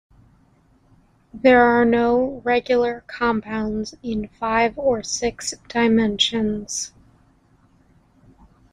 There are no regular compounds in five or six dimensions.